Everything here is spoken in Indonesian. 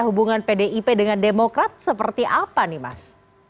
hubungan pdip dengan demokrat seperti apa nih mas